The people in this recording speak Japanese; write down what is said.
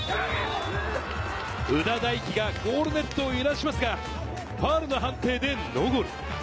夘田大揮がゴールネットを揺らしますが、ファウルの判定でノーゴール。